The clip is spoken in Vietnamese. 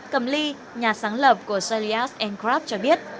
cầm ly nhà sáng lập của shalias endcraft cho biết